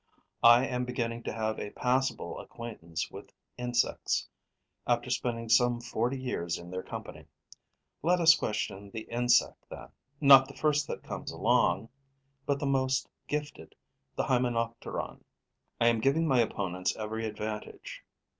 I am beginning to have a passable acquaintance with insects, after spending some forty years in their company. Let us question the insect, then: not the first that comes along, but the most gifted, the Hymenopteron. I am giving my opponents every advantage.